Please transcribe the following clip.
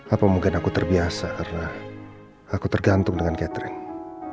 apa mungkin aku terbiasa karena aku tergantung dengan catering